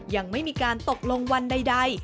ยังไม่มีการตกลงวันใด